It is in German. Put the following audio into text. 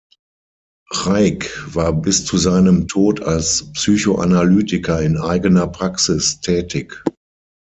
Reik war bis zu seinem Tod als Psychoanalytiker in eigener Praxis tätig.